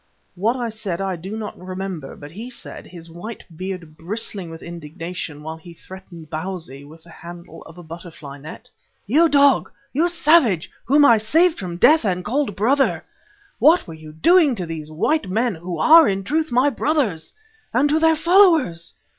What I said I do not remember, but he said, his white beard bristling with indignation while he threatened Bausi with the handle of the butterfly net: "You dog! You savage, whom I saved from death and called Brother. What were you doing to these white men who are in truth my brothers, and to their followers?